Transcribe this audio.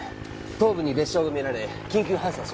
頭部に裂傷が見られ緊急搬送します。